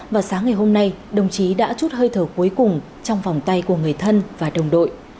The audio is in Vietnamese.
và sáng ngày hôm nay đồng chí đã chút hơi thở cuối cùng trong vòng tay của người thân và đồng đội